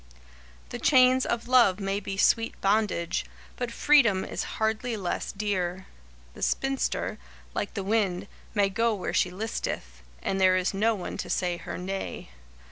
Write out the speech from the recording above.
The chains of love may be sweet bondage, but freedom is hardly less dear. The spinster, like the wind, may go where she listeth, and there is no one to say her nay.